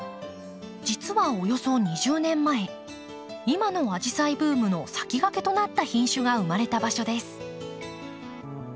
実はおよそ２０年前今のアジサイブームの先駆けとなった品種が生まれた場所です。